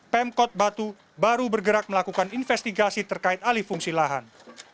pemkot batu baru bergerak melakukan investigasi terkait alih fungsi lahan